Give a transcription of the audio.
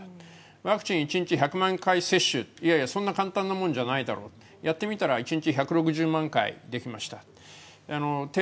ワクチン１日１００万回接種いやいやそんな簡単なもんじゃないだろうやってみたら１日１６０万回できました